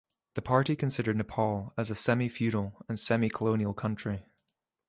The party considered Nepal as a semi-feudal and semi-colonial country.